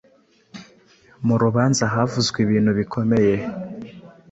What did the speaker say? Mu rubanza havuzwe ibintu bikomeye